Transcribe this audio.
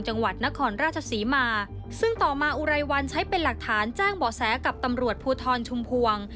จังหวัดนครราชศรีมาซึ่งต่อมาอุไรวันใช้เป็นหลักฐานแจ้งเบาะแสกับตำรวจภูทรชุมพวง